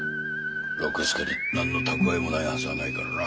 六助に何の蓄えもないはずはないからな。